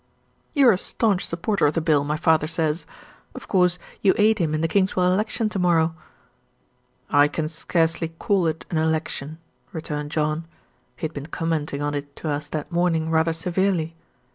"You are a staunch supporter of the Bill, my father says. Of course, you aid him in the Kingswell election to morrow?" "I can scarcely call it an election," returned John. He had been commenting on it to us that morning rather severely.